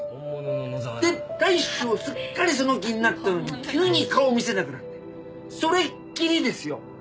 で大将すっかりその気になったのに急に顔を見せなくなってそれっきりですよ。